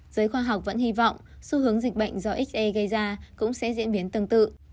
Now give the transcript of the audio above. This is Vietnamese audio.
giới khoa học vẫn hy vọng xu hướng dịch bệnh do xê gây ra cũng sẽ diễn biến tương tự